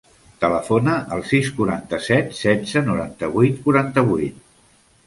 Telefona al sis, quaranta-set, setze, noranta-vuit, quaranta-vuit.